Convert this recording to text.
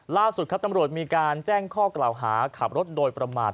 ล่าสุดครับตำรวจมีการแจ้งข้อกล่าวหาขับรถโดยประมาท